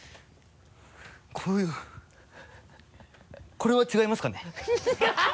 これは違いますかね？